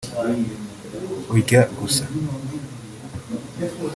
urya gusa